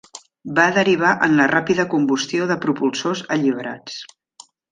Va derivar en la ràpida combustió de propulsors alliberats.